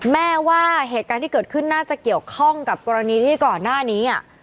แม่ว่าเหตุการณ์ที่เกิดขึ้นน่าจะเกี่ยวข้องกับกรณีที่ก่อนหน้านี้